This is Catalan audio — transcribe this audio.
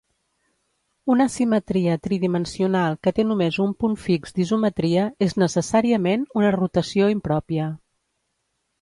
Una simetria tridimensional que té només un punt fix d'isometria és necessàriament una rotació impròpia.